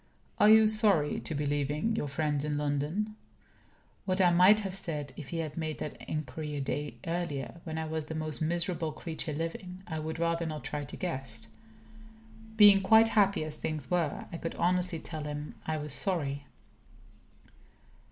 "Are you sorry to be leaving your friends in London?" What I might have said if he had made that inquiry a day earlier, when I was the most miserable creature living, I would rather not try to guess. Being quite happy as things were, I could honestly tell him I was sorry.